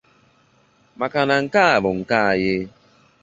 Maka na nke a bụ nke anyị